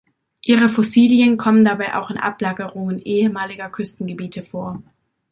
Ihre Fossilien kommen dabei auch in Ablagerungen ehemaliger Küstengebiete vor.